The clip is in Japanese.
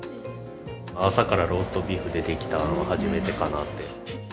朝からローストビーフ出てきたの初めてかなって。